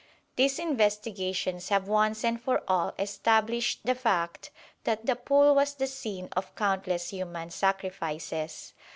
These investigations have once and for all established the fact that the pool was the scene of countless human sacrifices.